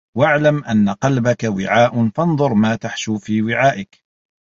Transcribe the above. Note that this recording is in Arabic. وَاعْلَمْ أَنَّ قَلْبَك وِعَاءٌ فَانْظُرْ مَا تَحْشُو فِي وِعَائِك